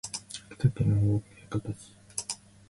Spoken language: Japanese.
秋田県大館市